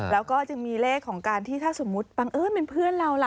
แล้วก็จึงมีเลขของการที่ถ้าสมมุติบังเอิญเป็นเพื่อนเราล่ะ